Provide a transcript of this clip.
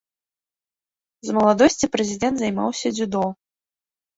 З маладосці прэзідэнт займаўся дзюдо.